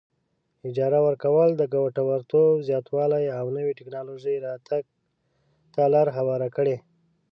اجاره ورکول د ګټورتوب زیاتوالي او نوې ټیکنالوجۍ راتګ ته لار هواره کړي.